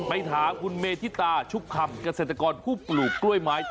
ถามคุณเมธิตาชุบคำเกษตรกรผู้ปลูกกล้วยไม้